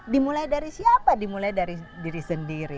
dimulai dari siapa dimulai dari diri sendiri